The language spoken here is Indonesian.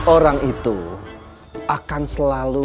orang itu akan selalu